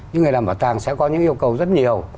những người làm bảo tàng sẽ có những yêu cầu rất nhiều